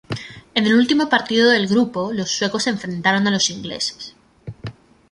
En el último partido del grupo, los suecos enfrentaron a los ingleses.